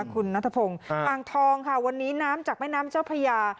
คุณนัทพงศ์อ่างทองค่ะวันนี้น้ำจากแม่น้ำเจ้าพญา